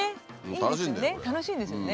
楽しいんですよね。